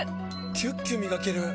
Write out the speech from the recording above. キュッキュ磨ける！